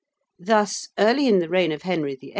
Thus, early in the reign of Henry VIII.